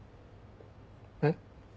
えっ？